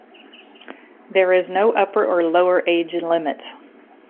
There is no upper or lower age limit.